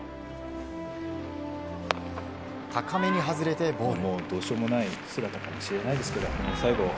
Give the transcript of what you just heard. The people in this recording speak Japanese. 高めに外れてボール。